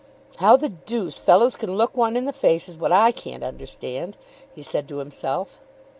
"How the deuce fellows can look one in the face, is what I can't understand," he said to himself.